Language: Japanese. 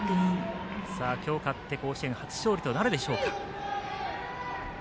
今日、勝って甲子園初勝利となるでしょうか。